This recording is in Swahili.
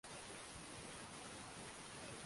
Mti ulipandwa mwaka jana.